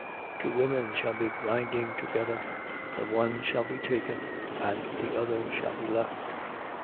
17:35. Two women shall be grinding together. The one shall be taken and the other shall be left.